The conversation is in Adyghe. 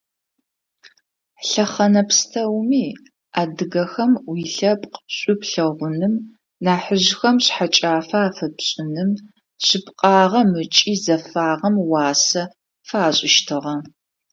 Лъэхъэнэ пстэуми адыгэхэм уилъэпкъ шӏу плъэгъуным нахьыжъхэм шъхьэкӏафэ афэпшӏыным, шъыпкъагъэм ыкӏи зэфагъэм уасэ фашӏыщтыгъэ.